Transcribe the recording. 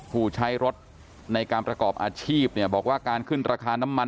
ผู้ใช้รถในการประกอบอาชีพเนี่ยบอกว่าการขึ้นราคาน้ำมัน